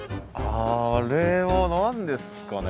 あれは何ですかね。